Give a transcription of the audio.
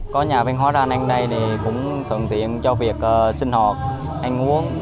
có nhà văn hóa ra đây cũng thường tiện cho việc sinh hoạt anh uống